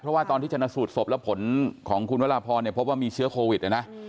เพราะว่าตอนที่ชนะสูตรศพแล้วผลของคุณวราพรเนี่ยพบว่ามีเชื้อโควิดนะนะ